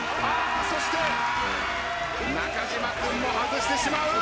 そして中島君も外してしまう。